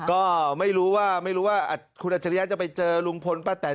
ก็ไม่รู้ว่าไม่รู้ว่าคุณอัจฉริยะจะไปเจอลุงพลป้าแตน